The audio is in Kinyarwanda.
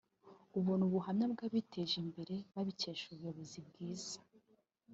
ubona ubuhamya bw’abiteje imbere babikesheje ubuyobozi bwiza